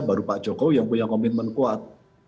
baru pak jokowi yang punya komitmen kuat